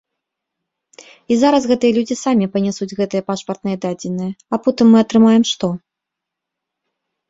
І зараз гэтыя людзі самі панясуць гэтыя пашпартныя дадзеныя, а потым мы атрымаем што?